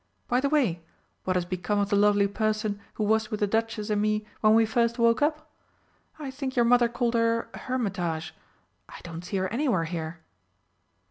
"By the way, what has become of the lovely person who was with the Duchess and me when we first woke up? I think your mother called her Hermitage. I don't see her anywhere here."